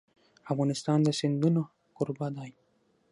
افغانستان د سیندونه کوربه دی.